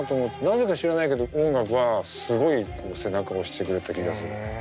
なぜか知らないけど音楽はすごい背中を押してくれた気がする。